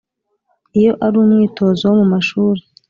Iyo ari umwitozo wo mu mashuri